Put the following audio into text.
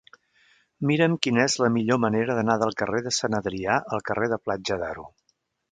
Mira'm quina és la millor manera d'anar del carrer de Sant Adrià al carrer de Platja d'Aro.